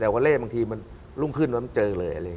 แต่วันเล่บบางทีมันรุ่งขึ้นแล้วมันเจอเลย